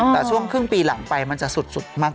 แต่ช่วงครึ่งปีหลังไปมันจะสุดมาก